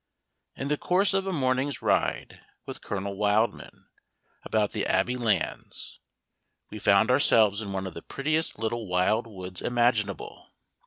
In the course of a morning's ride with Colonel Wildman, about the Abbey lands, we found ourselves in one of the prettiest little wild woods imaginable.